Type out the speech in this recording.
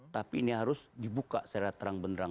tapi ini harus dibuka secara terang benerang